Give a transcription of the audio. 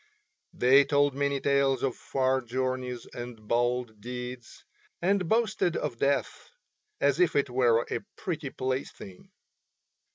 They told many tales of far journeys and bold deeds, and boasted of death as if it were a pretty plaything.